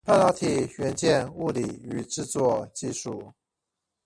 半導體元件物理與製作技術